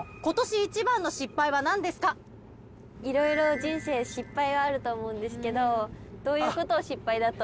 いろいろ人生失敗はあると思うんですけどどういうことを失敗だと？